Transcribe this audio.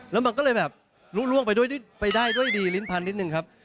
แล้วมันก็เลยแบบรู้ล่วงไปได้ด้วยดีลิ้นพันนิดนึงครับ